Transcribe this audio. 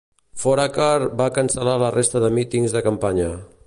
Foraker va cancel·lar la resta de mítings de campanya.